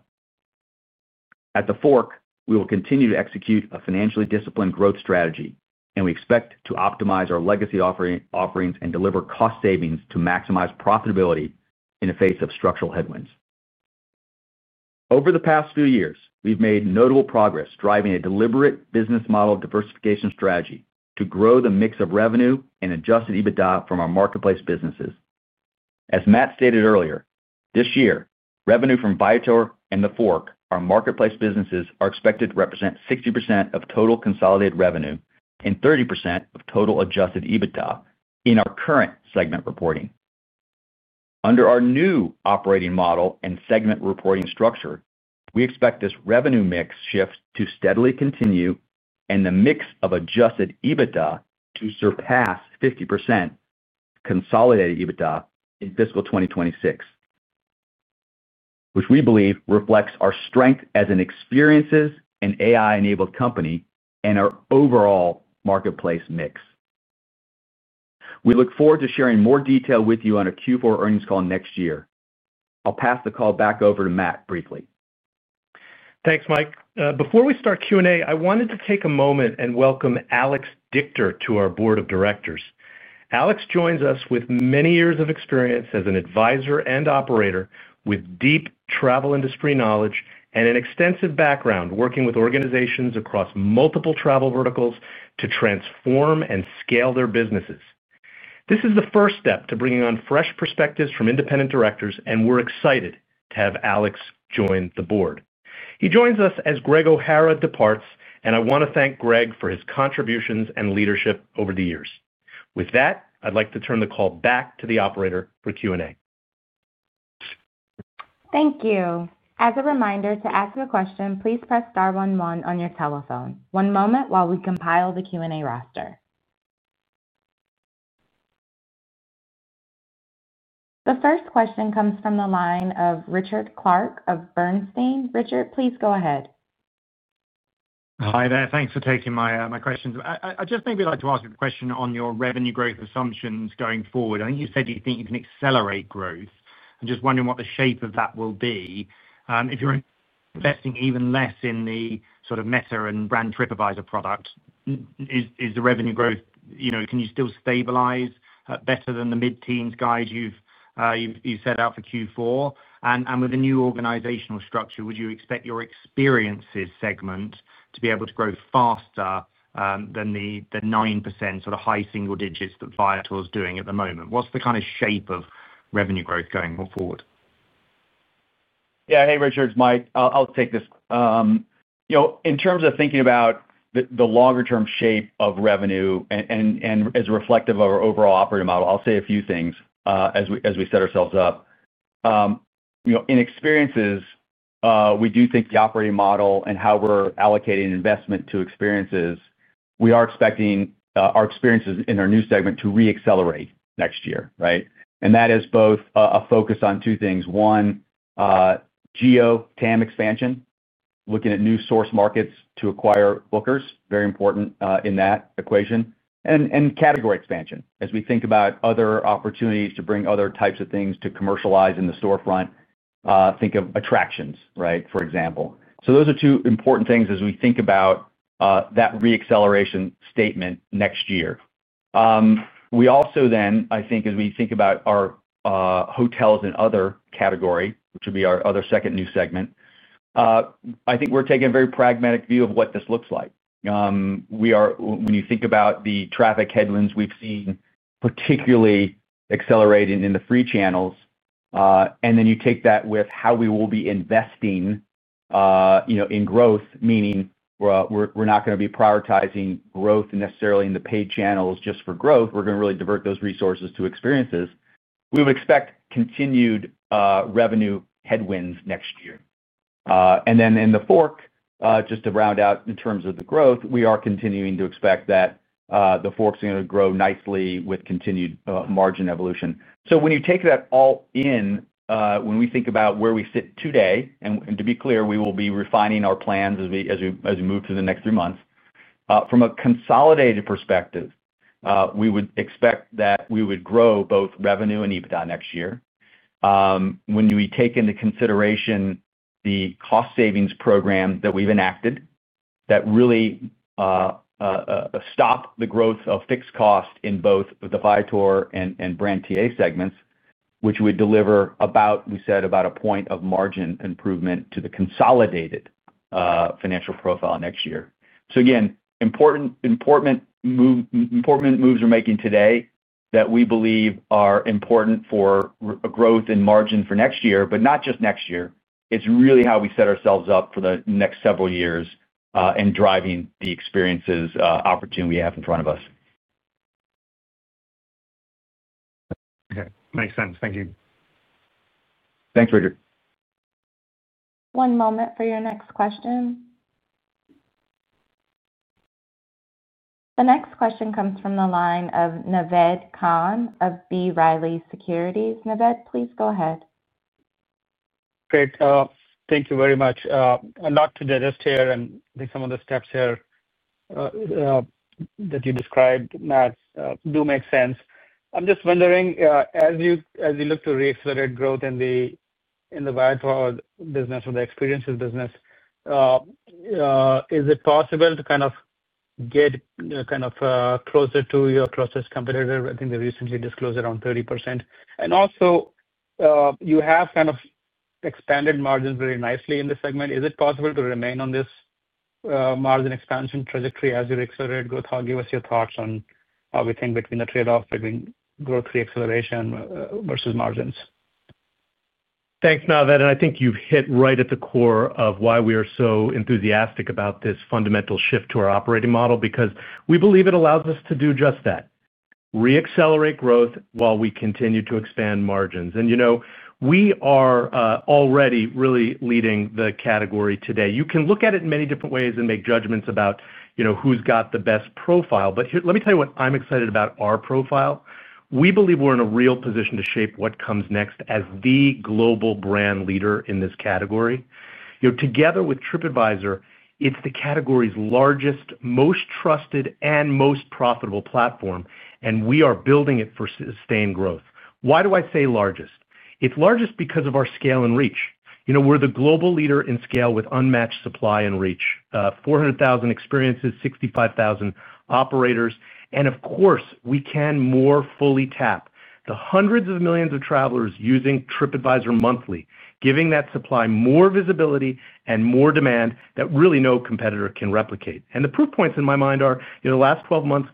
At TheFork, we will continue to execute a financially disciplined growth strategy, and we expect to optimize our legacy offerings and deliver cost savings to maximize profitability in the face of structural headwinds. Over the past few years, we've made notable progress driving a deliberate business model diversification strategy to grow the mix of revenue and Adjusted EBITDA from our marketplace businesses. As Matt stated earlier, this year, revenue from Viator and TheFork, our marketplace businesses, are expected to represent 60% of total consolidated revenue and 30% of total Adjusted EBITDA in our current segment reporting. Under our new operating model and segment reporting structure, we expect this revenue mix shift to steadily continue and the mix of Adjusted EBITDA to surpass 50% consolidated EBITDA in fiscal 2026, which we believe reflects our strength as an experiences and AI-enabled company and our overall marketplace mix. We look forward to sharing more detail with you on a Q4 earnings call next year. I'll pass the call back over to Matt briefly. Thanks, Mike. Before we start Q&A, I wanted to take a moment and welcome Alex Dichter to our board of directors. Alex joins us with many years of experience as an advisor and operator with deep travel industry knowledge and an extensive background working with organizations across multiple travel verticals to transform and scale their businesses. This is the first step to bringing on fresh perspectives from independent directors, and we're excited to have Alex join the board. He joins us as Greg O'Hara departs, and I want to thank Greg for his contributions and leadership over the years. With that, I'd like to turn the call back to the operator for Q&A. Thank you. As a reminder, to ask a question, please press star 11 on your telephone. One moment while we compile the Q&A roster. The first question comes from the line of Richard Clark of Bernstein. Richard, please go ahead. Hi there. Thanks for taking my questions. I just maybe like to ask a question on your revenue growth assumptions going forward. I think you said you think you can accelerate growth. I'm just wondering what the shape of that will be. If you're investing even less in the sort of Meta and Brand Tripadvisor product. Is the revenue growth, can you still stabilize better than the mid-teens guide you've set out for Q4? And with a new organizational structure, would you expect your experiences segment to be able to grow faster than the 9% sort of high single digits that Viator is doing at the moment? What's the kind of shape of revenue growth going forward? Yeah. Hey, Richard, Mike, I'll take this. In terms of thinking about the longer-term shape of revenue and as reflective of our overall operating model, I'll say a few things as we set ourselves up. In experiences, we do think the operating model and how we're allocating investment to experiences, we are expecting our experiences in our new segment to re-accelerate next year, right? That is both a focus on two things. One. Geo TAM expansion, looking at new source markets to acquire bookers, very important in that equation, and category expansion as we think about other opportunities to bring other types of things to commercialize in the storefront. Think of attractions, right, for example. Those are two important things as we think about that re-acceleration statement next year. We also then, I think, as we think about our hotels and other category, which would be our other second new segment. I think we're taking a very pragmatic view of what this looks like. When you think about the traffic headwinds we've seen, particularly accelerating in the free channels. You take that with how we will be investing in growth, meaning we're not going to be prioritizing growth necessarily in the paid channels just for growth. We're going to really divert those resources to experiences. We would expect continued revenue headwinds next year. In TheFork, just to round out in terms of the growth, we are continuing to expect that TheFork's going to grow nicely with continued margin evolution. When you take that all in, when we think about where we sit today, and to be clear, we will be refining our plans as we move through the next three months, from a consolidated perspective, we would expect that we would grow both revenue and EBITDA next year. When we take into consideration the cost savings program that we've enacted that really stopped the growth of fixed cost in both the Viator and Brand TA segments, which would deliver, we said, about a point of margin improvement to the consolidated financial profile next year. Again, important moves we're making today that we believe are important for growth in margin for next year, but not just next year. It's really how we set ourselves up for the next several years and driving the experiences opportunity we have in front of us. Okay. Makes sense. Thank you. Thanks, Richard. One moment for your next question. The next question comes from the line of Naved Khan of B. Riley Securities. Naved, please go ahead. Great. Thank you very much. I'm not to the list here, and I think some of the steps here that you described, Matt, do make sense. I'm just wondering, as you look to re-accelerate growth in the Viator business or the experiences business, is it possible to kind of get kind of closer to your closest competitor? I think they recently disclosed around 30%. And also, you have kind of expanded margins very nicely in this segment. Is it possible to remain on this margin expansion trajectory as you re-accelerate growth? How—give us your thoughts on how we think between the trade-off between growth re-acceleration versus margins? Thanks, Naved. I think you've hit right at the core of why we are so enthusiastic about this fundamental shift to our operating model because we believe it allows us to do just that. Re-accelerate growth while we continue to expand margins. We are already really leading the category today. You can look at it in many different ways and make judgments about who's got the best profile. Let me tell you what I'm excited about our profile. We believe we're in a real position to shape what comes next as the global brand leader in this category. Together with Tripadvisor, it's the category's largest, most trusted, and most profitable platform, and we are building it for sustained growth. Why do I say largest? It's largest because of our scale and reach. We're the global leader in scale with unmatched supply and reach: 400,000 experiences, 65,000 operators. Of course, we can more fully tap the hundreds of millions of travelers using Tripadvisor monthly, giving that supply more visibility and more demand that really no competitor can replicate. The proof points in my mind are the last 12 months.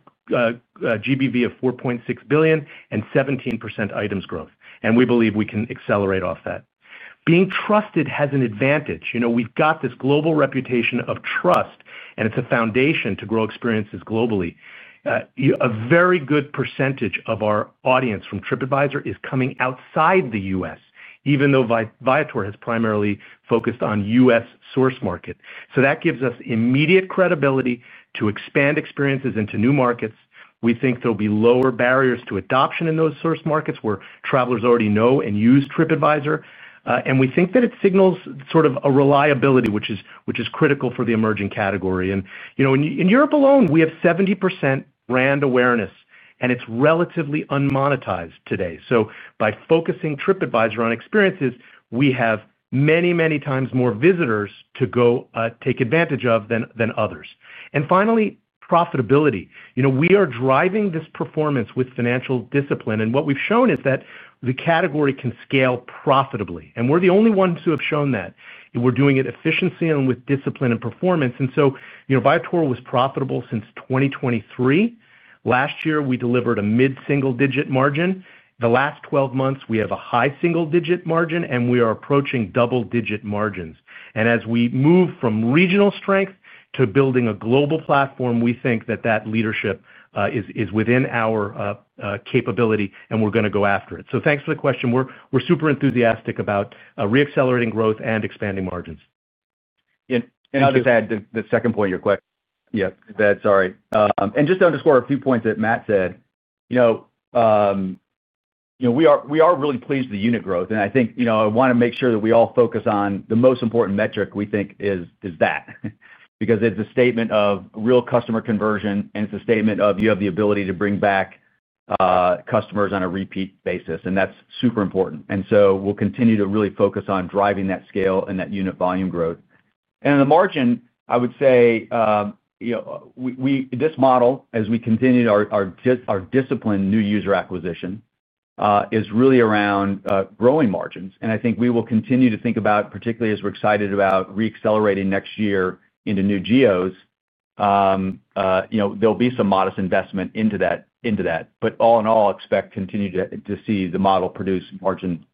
GBV of $4.6 billion and 17% items growth. We believe we can accelerate off that. Being trusted has an advantage. We've got this global reputation of trust, and it's a foundation to grow experiences globally. A very good percentage of our audience from Tripadvisor is coming outside the U.S., even though Viator has primarily focused on U.S. source market. That gives us immediate credibility to expand experiences into new markets. We think there'll be lower barriers to adoption in those source markets where travelers already know and use Tripadvisor. We think that it signals sort of a reliability, which is critical for the emerging category. In Europe alone, we have 70% brand awareness, and it is relatively unmonetized today. By focusing Tripadvisor on experiences, we have many, many times more visitors to go take advantage of than others. Finally, profitability. We are driving this performance with financial discipline. What we have shown is that the category can scale profitably. We are the only ones who have shown that. We are doing it efficiently and with discipline and performance. Viator was profitable since 2023. Last year, we delivered a mid-single-digit margin. The last 12 months, we have a high single-digit margin, and we are approaching double-digit margins. As we move from regional strength to building a global platform, we think that that leadership is within our capability, and we are going to go after it. Thank you for the question. We are super enthusiastic about re-accelerating growth and expanding margins. I will just add to the second point of your question. Yeah, sorry. Just to underscore a few points that Matt said, we are really pleased with the unit growth. I think I want to make sure that we all focus on the most important metric. We think it is that because it is a statement of real customer conversion, and it is a statement of you have the ability to bring back customers on a repeat basis. That is super important. We will continue to really focus on driving that scale and that unit volume growth. On the margin, I would say this model, as we continue our disciplined new user acquisition, is really around growing margins. I think we will continue to think about, particularly as we're excited about re-accelerating next year into new geos. There'll be some modest investment into that. All in all, I expect to continue to see the model produce margin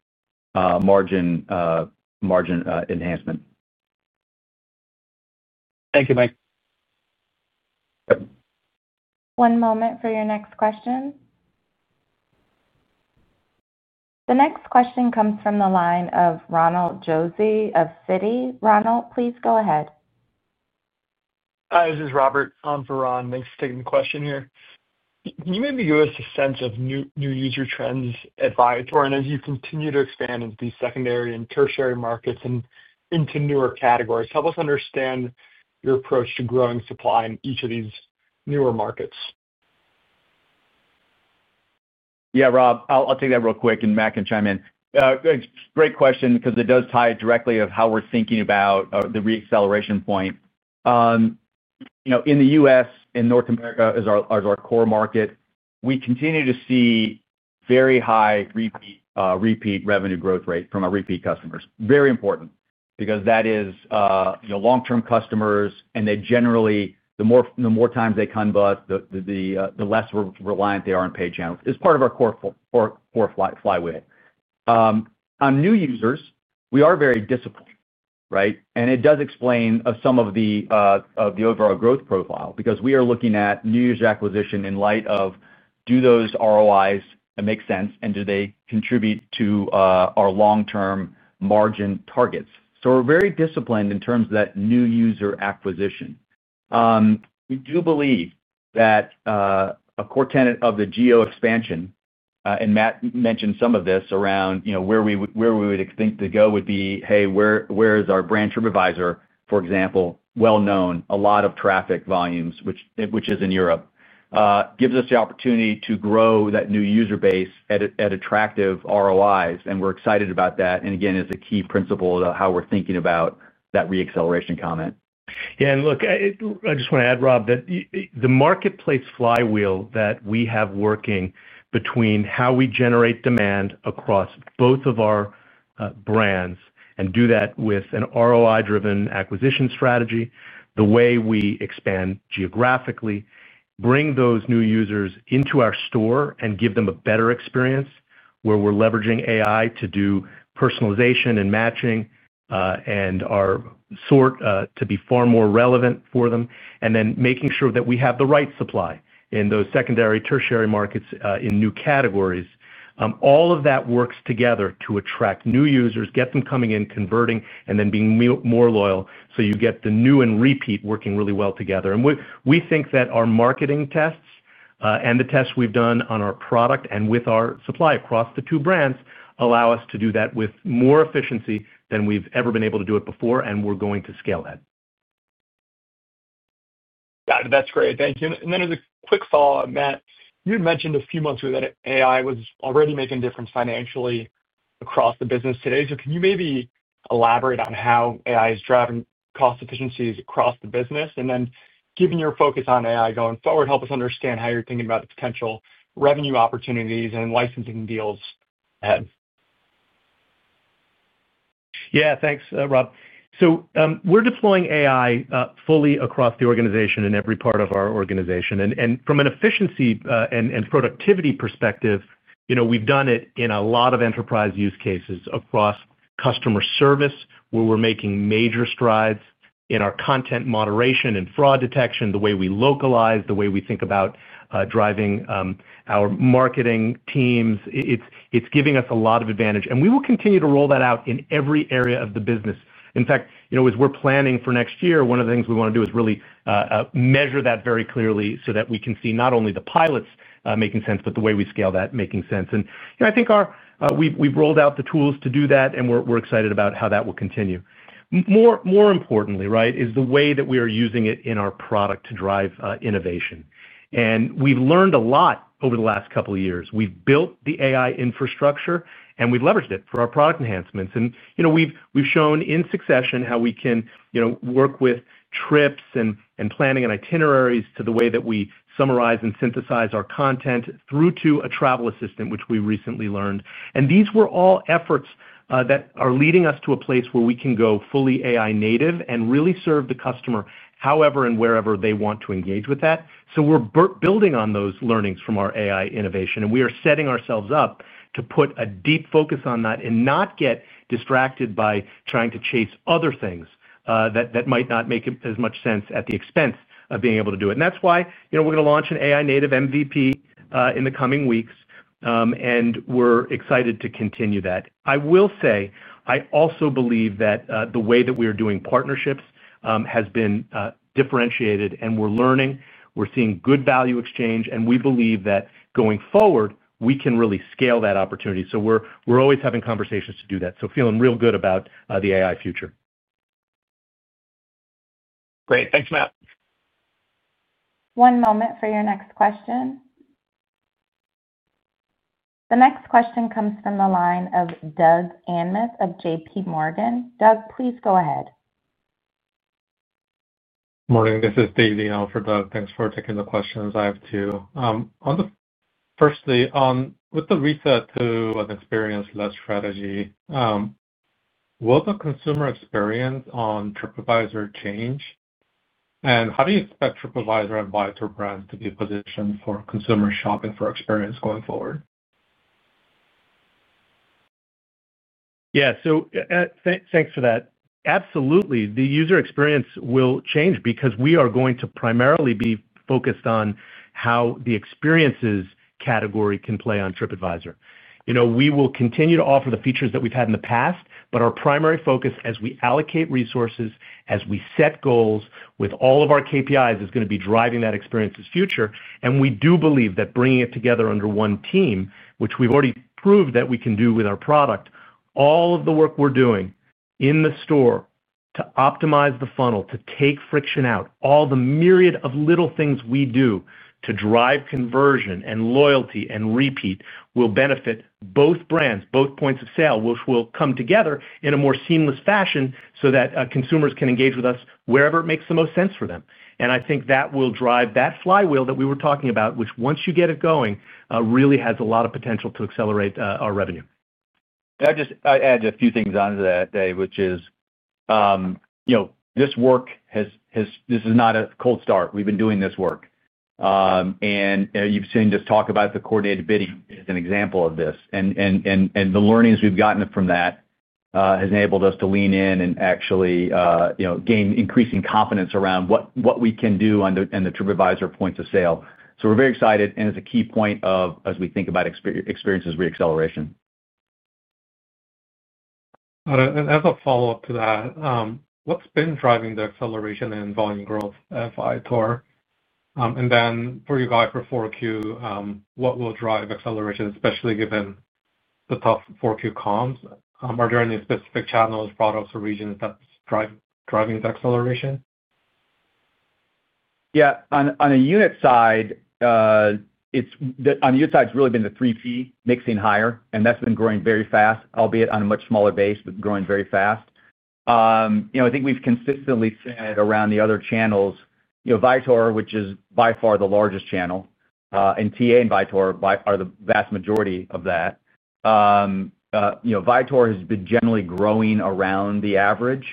enhancement. Thank you, Mike. One moment for your next question. The next question comes from the line of Ronald Josey of Citi. Ronald, please go ahead. This is Robert on Ron. Thanks for taking the question here. Can you maybe give us a sense of new user trends at Viator, and as you continue to expand into these secondary and tertiary markets and into newer categories, help us understand your approach to growing supply in each of these newer markets? Yeah, Rob, I'll take that real quick, and Matt can chime in. Great question because it does tie directly to how we're thinking about the re-acceleration point. In the US and North America as our core market, we continue to see very high repeat revenue growth rate from our repeat customers. Very important because that is long-term customers, and the more times they convert, the less reliant they are on paid channels. It's part of our core flywheel. On new users, we are very disciplined, right? It does explain some of the overall growth profile because we are looking at new user acquisition in light of, do those ROIs make sense, and do they contribute to our long-term margin targets? We are very disciplined in terms of that new user acquisition. We do believe that. A core tenet of the geo expansion, and Matt mentioned some of this around where we would think to go, would be, hey, where is our brand Tripadvisor, for example, well-known, a lot of traffic volumes, which is in Europe, gives us the opportunity to grow that new user base at attractive ROIs. We are excited about that. It is a key principle of how we are thinking about that re-acceleration comment. Yeah. Look, I just want to add, Rob, that the marketplace flywheel that we have working between how we generate demand across both of our brands and do that with an ROI-driven acquisition strategy, the way we expand geographically, bring those new users into our store and give them a better experience where we're leveraging AI to do personalization and matching and our sort to be far more relevant for them, and then making sure that we have the right supply in those secondary tertiary markets in new categories. All of that works together to attract new users, get them coming in, converting, and then being more loyal so you get the new and repeat working really well together. We think that our marketing tests and the tests we've done on our product and with our supply across the two brands allow us to do that with more efficiency than we've ever been able to do it before, and we're going to scale that. That's great. Thank you. As a quick follow-up, Matt, you had mentioned a few months ago that AI was already making a difference financially across the business today. Can you maybe elaborate on how AI is driving cost efficiencies across the business? Given your focus on AI going forward, help us understand how you're thinking about the potential revenue opportunities and licensing deals ahead. Yeah. Thanks, Rob. We're deploying AI fully across the organization in every part of our organization. From an efficiency and productivity perspective, we've done it in a lot of enterprise use cases across customer service where we're making major strides in our content moderation and fraud detection, the way we localize, the way we think about driving our marketing teams. It's giving us a lot of advantage. We will continue to roll that out in every area of the business. In fact, as we're planning for next year, one of the things we want to do is really measure that very clearly so that we can see not only the pilots making sense, but the way we scale that making sense. I think we've rolled out the tools to do that, and we're excited about how that will continue. More importantly, right, is the way that we are using it in our product to drive innovation. We have learned a lot over the last couple of years. We have built the AI infrastructure, and we have leveraged it for our product enhancements. We have shown in succession how we can work with trips and planning and itineraries to the way that we summarize and synthesize our content through to a travel assistant, which we recently launched. These were all efforts that are leading us to a place where we can go fully AI-native and really serve the customer however and wherever they want to engage with that. We are building on those learnings from our AI innovation, and we are setting ourselves up to put a deep focus on that and not get distracted by trying to chase other things that might not make as much sense at the expense of being able to do it. That is why we are going to launch an AI-native MVP in the coming weeks, and we are excited to continue that. I will say I also believe that the way that we are doing partnerships has been differentiated, and we are learning. We are seeing good value exchange, and we believe that going forward, we can really scale that opportunity. We are always having conversations to do that. Feeling real good about the AI future. Great. Thanks, Matt. One moment for your next question. The next question comes from the line of Doug Anmuth of JPMorgan. Doug, please go ahead. Morning. This is Dave Neal for Doug. Thanks for taking the questions. I have two. Firstly, with the reset to an experience-led strategy, will the consumer experience on Tripadvisor change? And how do you expect Tripadvisor and Viator brands to be positioned for consumer shopping for experience going forward? Yeah. Thanks for that. Absolutely. The user experience will change because we are going to primarily be focused on how the experiences category can play on Tripadvisor. We will continue to offer the features that we've had in the past, but our primary focus as we allocate resources, as we set goals with all of our KPIs, is going to be driving that experience's future. We do believe that bringing it together under one team, which we've already proved that we can do with our product, all of the work we're doing in the store to optimize the funnel, to take friction out, all the myriad of little things we do to drive conversion and loyalty and repeat will benefit both brands, both points of sale, which will come together in a more seamless fashion so that consumers can engage with us wherever it makes the most sense for them. I think that will drive that flywheel that we were talking about, which once you get it going, really has a lot of potential to accelerate our revenue. I'll just add a few things onto that, Dave, which is this work is not a cold start. We've been doing this work. You've seen us talk about the coordinated bidding as an example of this. The learnings we've gotten from that have enabled us to lean in and actually gain increasing confidence around what we can do on the Tripadvisor points of sale. We are very excited, and it's a key point as we think about experiences re-acceleration. As a follow-up to that, what's been driving the acceleration and volume growth at Viator? For you guys for Q4, what will drive acceleration, especially given the tough Q4 comps? Are there any specific channels, products, or regions that's driving the acceleration? Yeah. On the unit side, it's really been the 3P mixing higher, and that's been growing very fast, albeit on a much smaller base, but growing very fast. I think we've consistently said around the other channels, Viator, which is by far the largest channel, and TA and Viator are the vast majority of that. Viator has been generally growing around the average,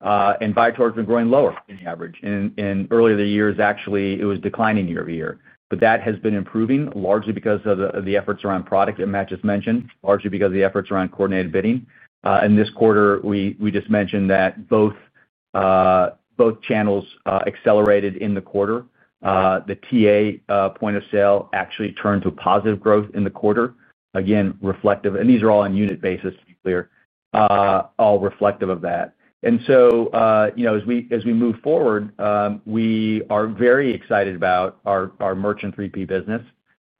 and TA has been growing lower than the average. Earlier in the years, actually, it was declining year over year. That has been improving largely because of the efforts around product, and Matt just mentioned, largely because of the efforts around coordinated bidding. This quarter, we just mentioned that both channels accelerated in the quarter. The TA point of sale actually turned to positive growth in the quarter, again, reflective—and these are all on a unit basis, to be clear—all reflective of that. As we move forward, we are very excited about our merchant 3P business.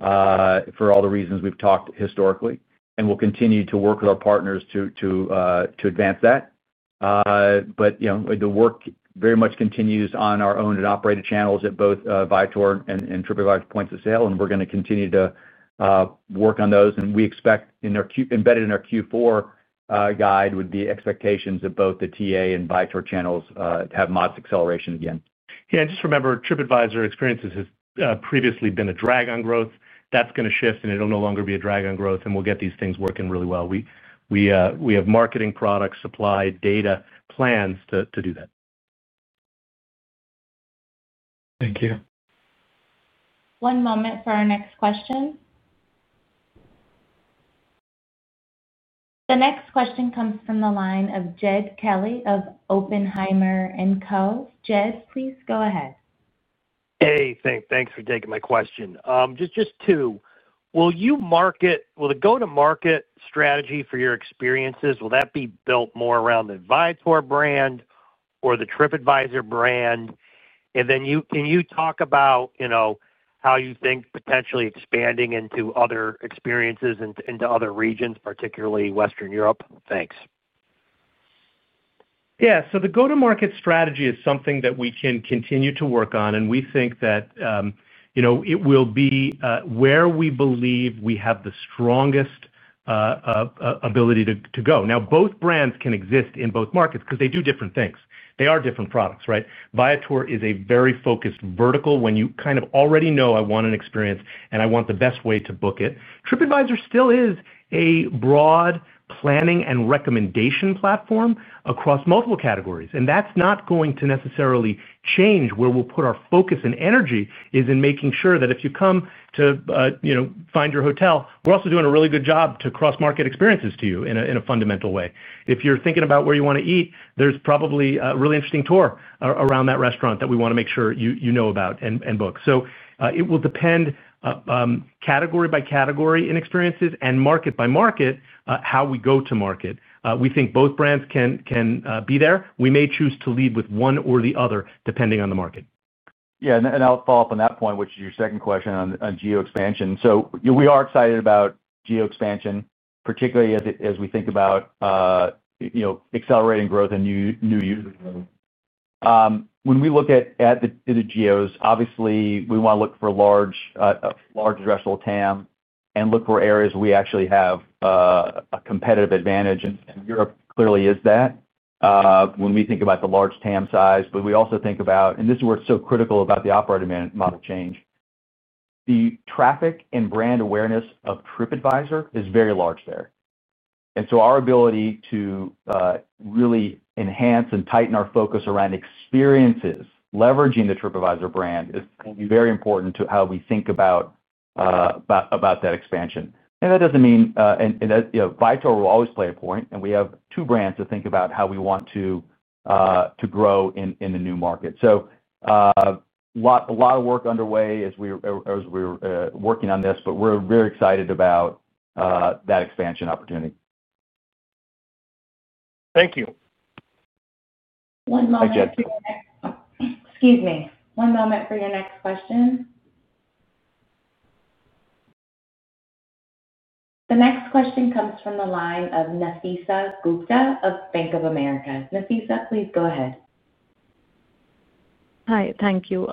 For all the reasons we've talked historically, and we'll continue to work with our partners to advance that. The work very much continues on our own and operated channels at both Viator and Tripadvisor points of sale, and we're going to continue to work on those. We expect embedded in our Q4 guide would be expectations of both the TA and Viator channels to have modest acceleration again. Yeah. Just remember, Tripadvisor experiences have previously been a drag on growth. That's going to shift, and it'll no longer be a drag on growth, and we'll get these things working really well. We have marketing products, supply, data, plans to do that. Thank you. One moment for our next question. The next question comes from the line of Jed Kelly of Oppenheimer and Co. Jed, please go ahead. Hey, thanks for taking my question. Just two. Will the go-to-market strategy for your experiences, will that be built more around the Viator brand or the Tripadvisor brand? And then can you talk about how you think potentially expanding into other experiences and into other regions, particularly Western Europe? Thanks. Yeah. The go-to-market strategy is something that we can continue to work on, and we think that it will be where we believe we have the strongest ability to go. Now, both brands can exist in both markets because they do different things. They are different products, right? Viator is a very focused vertical when you kind of already know I want an experience, and I want the best way to book it. Tripadvisor still is a broad planning and recommendation platform across multiple categories. That is not going to necessarily change where we will put our focus and energy is in making sure that if you come to find your hotel, we are also doing a really good job to cross-market experiences to you in a fundamental way. If you are thinking about where you want to eat, there is probably a really interesting tour around that restaurant that we want to make sure you know about and book. It will depend, category by category in experiences and market by market, how we go to market. We think both brands can be there. We may choose to lead with one or the other depending on the market. Yeah, I will follow up on that point, which is your second question on geo expansion. We are excited about geo expansion, particularly as we think about accelerating growth and new users. When we look at the geos, obviously, we want to look for a large addressable TAM and look for areas we actually have a competitive advantage. Europe clearly is that. When we think about the large TAM size. We also think about—and this is where it's so critical about the operator model change—the traffic and brand awareness of Tripadvisor is very large there. Our ability to really enhance and tighten our focus around experiences leveraging the Tripadvisor brand is going to be very important to how we think about that expansion. That doesn't mean—Viator will always play a point. We have two brands to think about how we want to grow in the new market. A lot of work underway as we're working on this, but we're very excited about that expansion opportunity. Thank you. One moment for your next— Excuse me. One moment for your next question. The next question comes from the line of Nafeesa Gupta of Bank of America. Nafeesa, please go ahead. Hi. Thank you.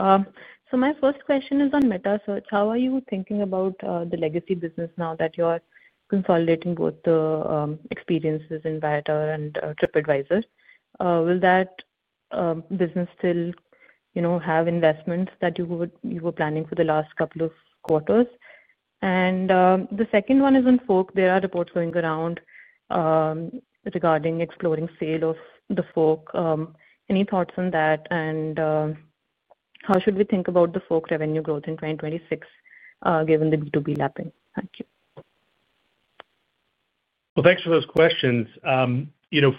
So my first question is on Meta Search. How are you thinking about the legacy business now that you're consolidating both the experiences in Viator and Tripadvisor? Will that business still have investments that you were planning for the last couple of quarters? The second one is on TheFork. There are reports going around regarding exploring sale of TheFork. Any thoughts on that? How should we think about TheFork revenue growth in 2026 given the B2B lapping? Thank you. Thanks for those questions.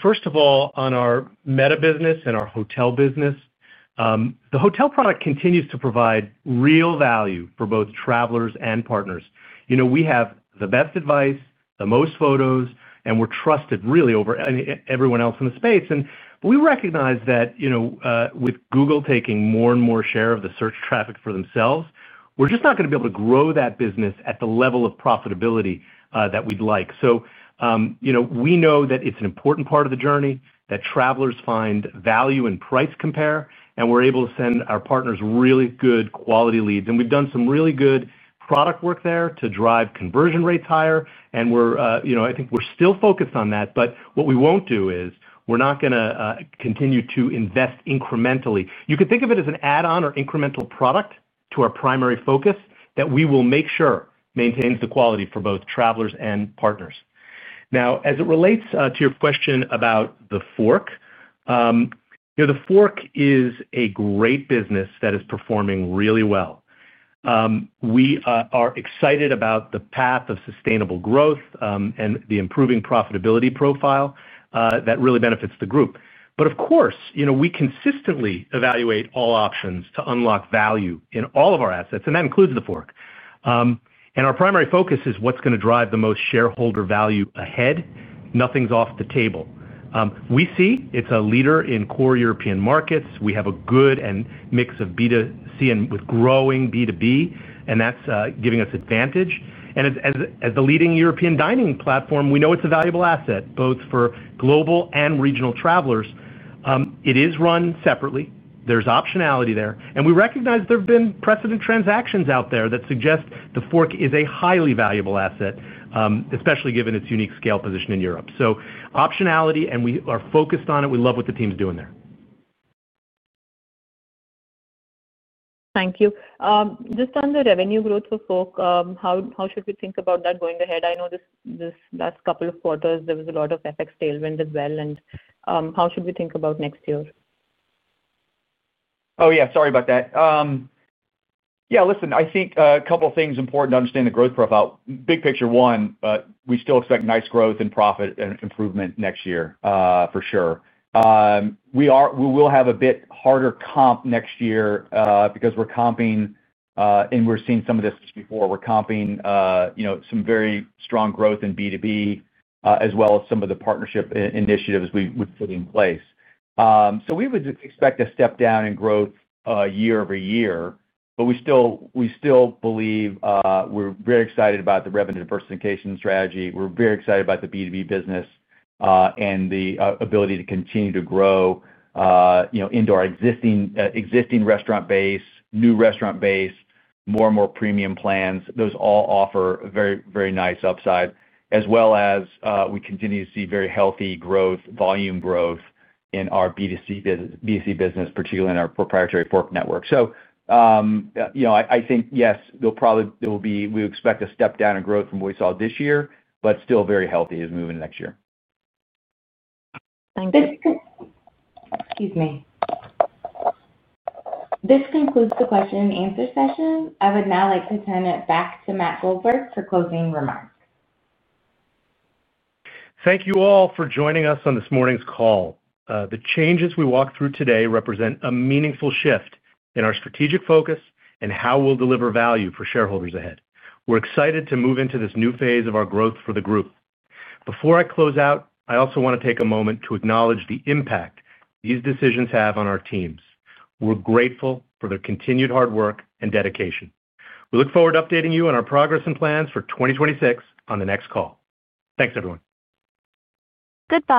First of all, on our Meta business and our hotel business. The hotel product continues to provide real value for both travelers and partners. We have the best advice, the most photos, and we're trusted really over everyone else in the space. We recognize that. With Google taking more and more share of the search traffic for themselves, we're just not going to be able to grow that business at the level of profitability that we'd like. We know that it's an important part of the journey, that travelers find value and price compare, and we're able to send our partners really good quality leads. We've done some really good product work there to drive conversion rates higher. I think we're still focused on that. What we won't do is we're not going to continue to invest incrementally. You can think of it as an add-on or incremental product to our primary focus that we will make sure maintains the quality for both travelers and partners. Now, as it relates to your question about TheFork. TheFork is a great business that is performing really well. We are excited about the path of sustainable growth and the improving profitability profile that really benefits the group. Of course, we consistently evaluate all options to unlock value in all of our assets, and that includes TheFork. Our primary focus is what's going to drive the most shareholder value ahead. Nothing's off the table. We see it's a leader in core European markets. We have a good mix of B2C and with growing B2B, and that's giving us advantage. As the leading European dining platform, we know it's a valuable asset, both for global and regional travelers. It is run separately. There's optionality there. We recognize there have been precedent transactions out there that suggest TheFork is a highly valuable asset, especially given its unique scale position in Europe. Optionality, and we are focused on it. We love what the team's doing there. Thank you. Just on the revenue growth for TheFork, how should we think about that going ahead? I know this last couple of quarters, there was a lot of FX tailwind as well. How should we think about next year? Oh, yeah. Sorry about that. Yeah. Listen, I think a couple of things important to understand the growth profile. Big picture, one, we still expect nice growth and profit and improvement next year for sure. We will have a bit harder comp next year because we're comping, and we're seeing some of this before. We're comping some very strong growth in B2B as well as some of the partnership initiatives we've put in place. We would expect a step down in growth year over year, but we still believe we're very excited about the revenue diversification strategy. We're very excited about the B2B business and the ability to continue to grow into our existing restaurant base, new restaurant base, more and more premium plans. Those all offer very nice upside, as well as we continue to see very healthy volume growth in our B2C business, particularly in our proprietary TheFork network. I think, yes, we expect a step down in growth from what we saw this year, but still very healthy as moving to next year. Thank you. Excuse me. This concludes the question-and-answer session. I would now like to turn it back to Matt Goldberg for closing remarks. Thank you all for joining us on this morning's call. The changes we walked through today represent a meaningful shift in our strategic focus and how we'll deliver value for shareholders ahead. We're excited to move into this new phase of our growth for the group. Before I close out, I also want to take a moment to acknowledge the impact these decisions have on our teams. We're grateful for their continued hard work and dedication. We look forward to updating you on our progress and plans for 2026 on the next call. Thanks, everyone. Goodbye.